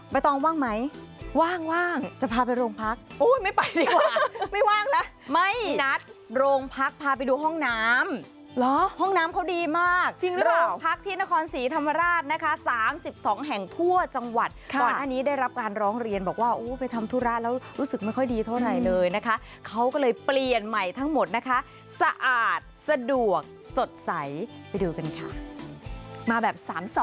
ต้องว่างไหมว่างจะพาไปโรงพักโอ้ยไม่ไปดีกว่าไม่ว่างนะไม่นัดโรงพักพาไปดูห้องน้ำเหรอห้องน้ำเขาดีมากจริงหรือเปล่าพักที่นครศรีธรรมราชนะคะ๓๒แห่งทั่วจังหวัดก่อนหน้านี้ได้รับการร้องเรียนบอกว่าโอ้ไปทำธุระแล้วรู้สึกไม่ค่อยดีเท่าไหร่เลยนะคะเขาก็เลยเปลี่ยนใหม่ทั้งหมดนะคะสะอาดสะดวกสดใสไปดูกันค่ะมาแบบ๓๒